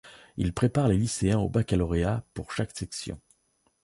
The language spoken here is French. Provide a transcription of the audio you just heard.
Ils préparent les lycéens au Baccalauréat, pour chaque section.